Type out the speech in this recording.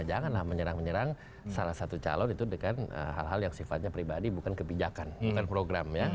janganlah menyerang menyerang salah satu calon itu dengan hal hal yang sifatnya pribadi bukan kebijakan bukan program ya